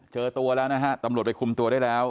เจอตัวแล้วนะฮะตำรวจไปคุมตัวได้แล้ว